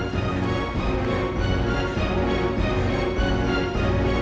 tidak risau sama aku